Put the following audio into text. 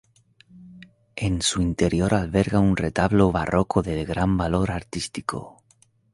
En su interior alberga un retablo barroco de gran valor artístico.